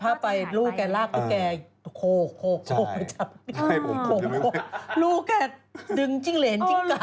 แต่พ่อไปลูกแกลากลูกแกโคจับลูกแกดึงจิ้งเหรนจิ้งกะ